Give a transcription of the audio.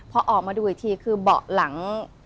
พอออกมาดูอีกทีคือเบาะหลัง